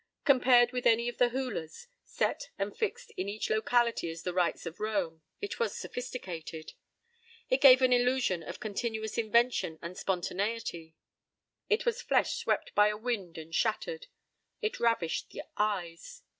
Compared with any of the hulas, set and fixed in each locality as the rites of Rome, it was sophisticated; it gave an illusion of continuous invention and spontaneity; it was flesh swept by a wind and shattered; it ravished the eyes.